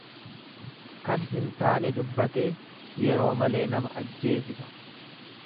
Kan hin taane dubbatee yeroo malee nama ajjeesisa.